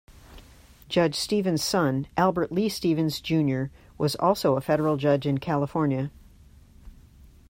Judge Stephens' son, Albert Lee Stephens Junior was also a federal judge in California.